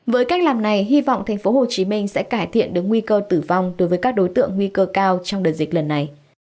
với cách làm này hy vọng tp hcm sẽ cải thiện được nguy cơ tử vong đối với các đối tượng nguy cơ cao trong đợt dịch lần này